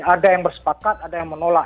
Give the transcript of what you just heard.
ada yang bersepakat ada yang menolak